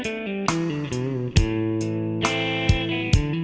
บอกเลยว่าสายหน้ากระทั้งสตู